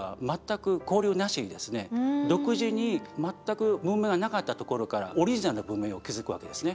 独自に全く文明がなかったところからオリジナルの文明を築くわけですね。